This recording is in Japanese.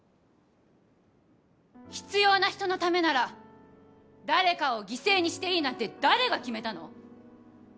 必要な人のためなら誰かを犠牲にしていいなんて誰が決めたの！？